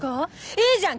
いいじゃん！